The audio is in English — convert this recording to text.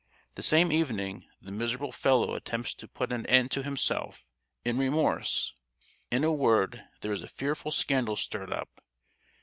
The same evening the miserable fellow attempts to put an end to himself, in remorse. In a word, there is a fearful scandal stirred up.